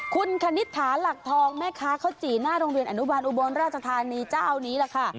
คุณคณิตถาหลักทองแม่ค้าข้าวจี่หน้าโรงเรียนอนุบาลอุบลราชธานีเจ้านี้แหละค่ะ